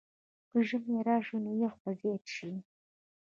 که ژمی راشي، نو یخ به زیات شي.